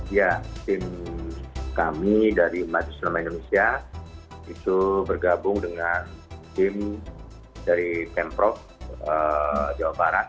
ya tim kami dari majelis ulama indonesia itu bergabung dengan tim dari pemprov jawa barat